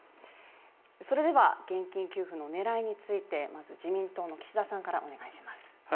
それでは現金給付の狙いについてまず自民党の岸田さんからお願いします。